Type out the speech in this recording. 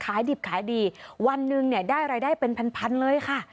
ขายดิบขายดีวันหนึ่งเนี่ยได้รายได้เป็นพันเลยค่ะ